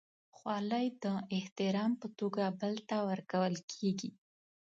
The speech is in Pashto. خولۍ د احترام په توګه بل ته ورکول کېږي.